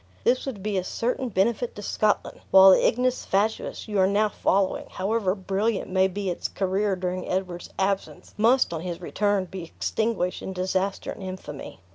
This would be a certain benefit to Scotland; while the ignis fatuus you are now following, however brilliant may be its career during Edward's absence, must on his return be extinguished in disaster and infamy."